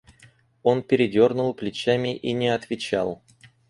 Он передёрнул плечами и не отвечал.